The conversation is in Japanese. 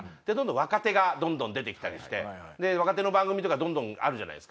若手がどんどん出て来たりして若手の番組とかどんどんあるじゃないですか。